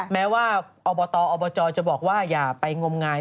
แม้ว่าอบตอบจจะบอกว่าอย่าไปงมงาย